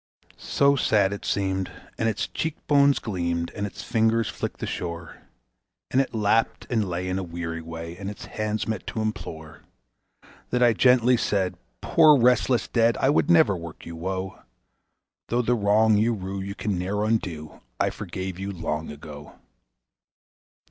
So sad it seemed, and its cheek bones gleamed, and its fingers flicked the shore; And it lapped and lay in a weary way, and its hands met to implore; That I gently said: "Poor, restless dead, I would never work you woe; Though the wrong you rue you can ne'er undo, I forgave you long ago."